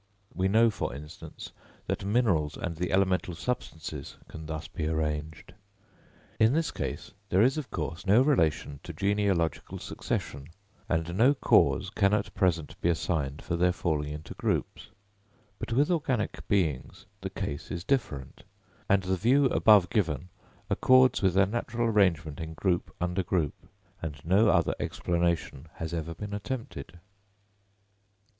We know, for instance, that minerals and the elemental substances can be thus arranged. In this case there is of course no relation to genealogical succession, and no cause can at present be assigned for their falling into groups. But with organic beings the case is different, and the view above given accords with their natural arrangement in group under group; and no other explanation has ever been attempted.